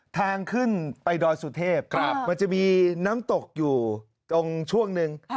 ทางขึ้นไปดอยสุเทพมันจะมีน้ำตกอยู่ตรงช่วงหนึ่ง